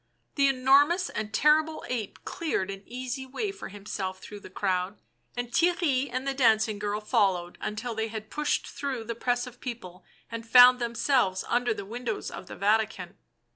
The enormous and terrible ape cleared an easy way for himself through the crowd, and Theirry and the dancing girl followed until they had pushed through the press of people and found them selves under the windows of the Vatican.